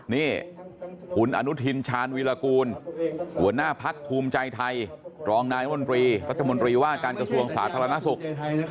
นี่คุณอนุทินชาญวีรกูลหัวหน้าภักร์ภูมิใจไทยรองนายรัฐมนตรีรัฐมนตรีว่าการกระทรวงศาสตร์ธรรมนาศุกร์